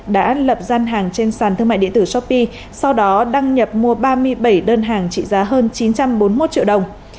đã lập gian hàng trên sàn thương mại điện tử shopee sau đó đăng nhập mua ba mươi bảy đơn hàng trị giá hơn chín trăm bốn mươi một triệu đồng